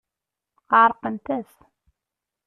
Ɛerqent-as.